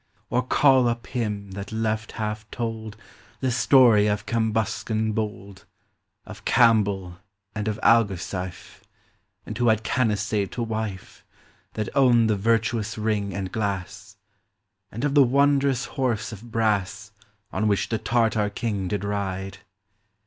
255 Or call up him that left half told The story of Cambuscan bold, — Of Camball, and of Algarsife, — And who had Canace to wife, That owned the virtuous ring and glass,— And of the wondrous horse of brass, On which the Tartar king did ride